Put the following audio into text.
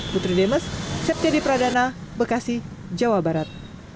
putri demes septyadi pradana bekasi jawa barat